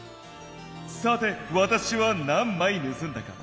「さてわたしは何まいぬすんだか？」。